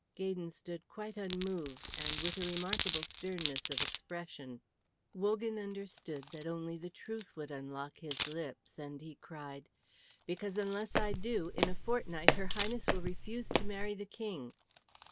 Gaydon stood quite unmoved, and with a remarkable sternness of expression. Wogan understood that only the truth would unlock his lips, and he cried, "Because unless I do, in a fortnight her Highness will refuse to marry the King."